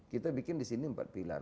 kita bikin di sini empat pilar